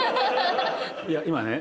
いや今ね